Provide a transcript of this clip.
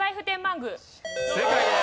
正解です！